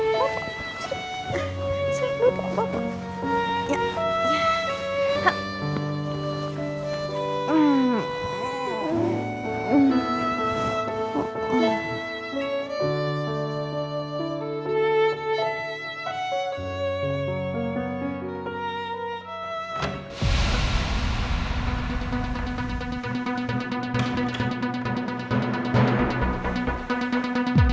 lindungi keluarga kami ya allah